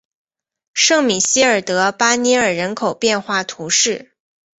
圣米歇尔德巴涅尔人口变化图示